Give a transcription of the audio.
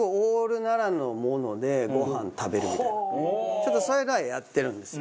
ちょっとそういうのはやってるんですよ。